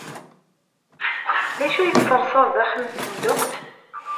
D acu i tserseḍ daxel n tsenduqt?